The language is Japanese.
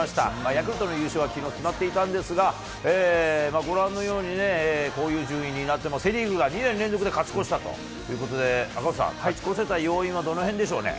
ヤクルトの優勝はきのう決まっていたんですが、ご覧のように、こういう順位になって、セ・リーグが２年連続で勝ち越したということで、赤星さん、勝ち越せた要因はどのへんでしょうね。